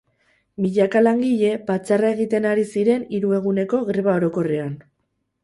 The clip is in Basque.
Milaka langile batzarra egiten ari ziren hiru eguneko greba orokorrean.